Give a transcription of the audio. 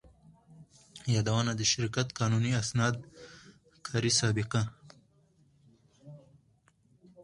يادونه: د شرکت قانوني اسناد، کاري سابقه،